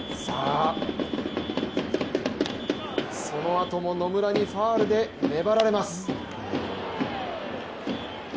そのあとも野村にファウルで粘られます。